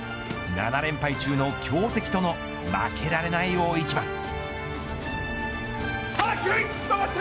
７連敗中の強敵との負けられない大一番。